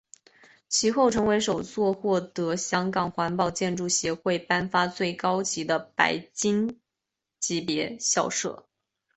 其后成为首座获得香港环保建筑协会颁发最高级的白金级别校舍。